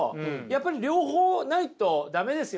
やっぱり両方ないと駄目ですよね。